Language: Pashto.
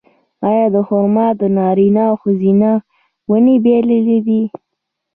آیا د خرما نارینه او ښځینه ونې بیلې دي؟